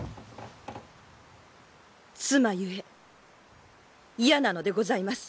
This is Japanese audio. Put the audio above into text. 妻ゆえ嫌なのでございます。